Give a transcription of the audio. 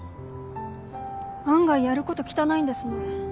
案外やること汚いんですね。